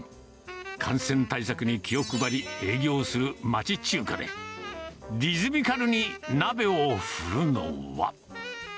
感染対策に気を配り、営業する町中華で、リズミカルに鍋を振るのは。